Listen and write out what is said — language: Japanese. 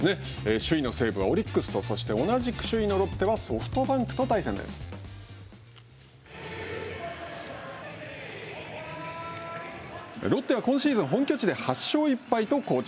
首位の西武はオリックスと、そして首位のロッテはソフトバンクとロッテは今シーズン本拠地で８勝１敗と好調。